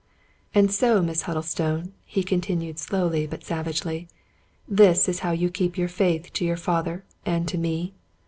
"And so. Miss Huddlestone," he continued slowly but savagely, " this is how you keep your faith to your father and to me?